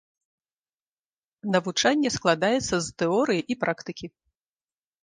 Навучанне складаецца з тэорыі і практыкі.